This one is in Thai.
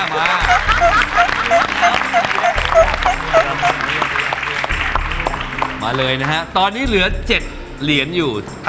มาเลยนะฮะตอนนี้เหลือ๗เหรียญอยู่